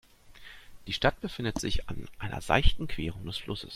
Die Stadt befindet sich an einer seichten Querung des Flusses.